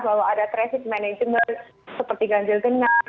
kalau ada traffic management seperti ganjil gengar